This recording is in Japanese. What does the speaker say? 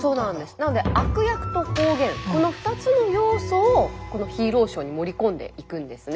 なので悪役と方言この２つの要素をこのヒーローショーに盛り込んでいくんですね。